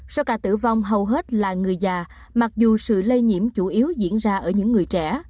số ca tử vong hầu hết là người già mặc dù sự lây nhiễm chủ yếu diễn ra ở những người trẻ